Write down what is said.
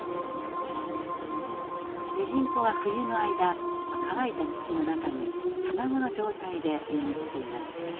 ミジンコは冬の間乾いた土の中に卵の状態で眠っています。